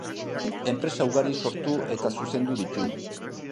Enpresa ugari sortu eta zuzendu ditu.